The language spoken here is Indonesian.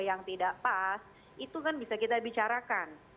yang tidak pas itu kan bisa kita bicarakan